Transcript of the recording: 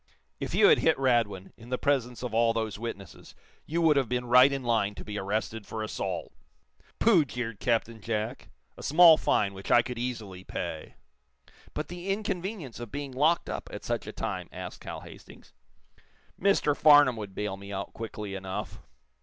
"If you had hit Radwin, in the presence of all those witnesses, you would have been right in line to be arrested for assault." "Pooh!" jeered Captain Jack. "A small fine, which I could easily pay." "But the inconvenience of being locked up, at such a time!" asked Hal Hastings. "Mr. Farnum would bail me out, quickly enough."